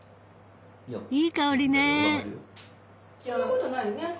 いい香りね。